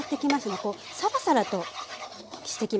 こうサラサラとしてきました。